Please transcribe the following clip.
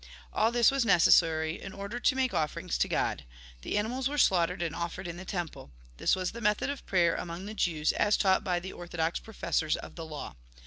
All this was necessary in order to make oii'erings to God. The animals were slaughtered and offered in the temple. This was the method of prayer among the Jews, as taught by the orthodox professors of the law.